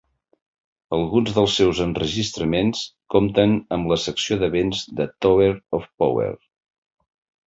Alguns dels seus enregistraments compten amb la secció de vents de Tower of Power.